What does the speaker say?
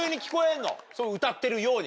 歌ってるように？